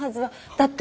だって。